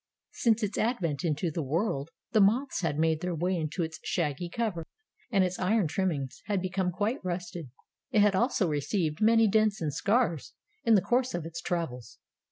Since its advent into the world, the moths had made their way into its shaggy cover, and its iron trimmings had become quite rusted. It had also received many dents and scars in the course of its travels.